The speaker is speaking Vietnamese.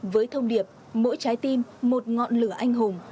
với thông điệp mỗi trái tim một ngọn lửa anh hùng